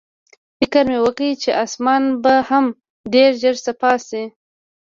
فکر مې وکړ چې اسمان به هم ډېر ژر صاف شي.